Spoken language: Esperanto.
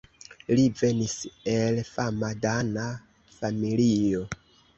Li venis el fama dana familio.